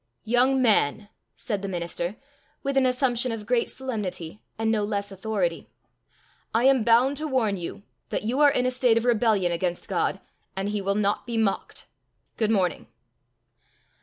"Young man!" said the minister, with an assumption of great solemnity and no less authority, "I am bound to warn you that you are in a state of rebellion against God, and he will not be mocked. Good morning!"